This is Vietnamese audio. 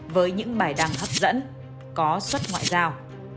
với những bài đăng hấp dẫn có xuất ngoại giao